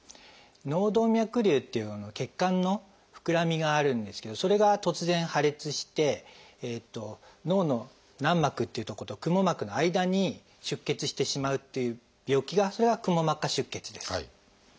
脳動脈瘤っていう血管の膨らみがあるんですけどそれが突然破裂して脳の軟膜っていうとことクモ膜の間に出血してしまうっていう病気がそれがクモ膜下出血です。